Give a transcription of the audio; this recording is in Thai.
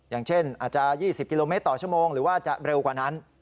อย่างเช่นอาจจะ๒๐กิโลเมตรต่อชั่วโมงหรือว่าจะเร็วกว่านั้น